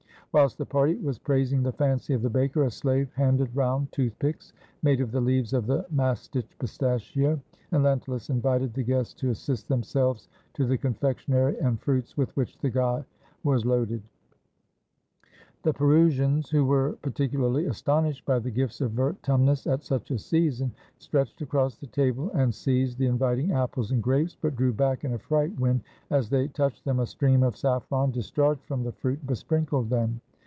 Whilst the party was praising the fancy of the baker, a slave handed round toothpicks, made of the leaves of the mastich pistachio, and Lentulus invited the guests to assist themselves to the confectionery and fruits with which the god was loaded. ' About five thousand dollars. * A harvest god. 481 ROME The Perusians, who were particularly astonished by the gifts of Vertumnus at such a season, stretched across the table, and seized the inviting apples and grapes, but drew back in affright when, as they touched them, a stream of saffron discharged from the fruit, besprinkled them.